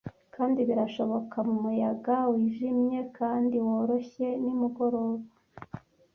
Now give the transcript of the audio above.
kandi birashoboka mumuyaga wijimye kandi woroshye nimugoroba